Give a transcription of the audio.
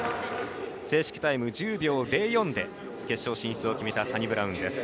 正式タイム１０秒０４で決勝進出を決めたサニブラウン。